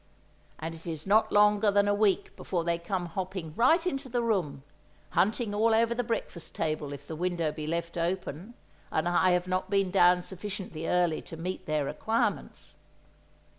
And it is not longer than a week before they come hopping right into the room, hunting all over the breakfast table if the window be left open, and I have not been down sufficiently early to meet their requirements.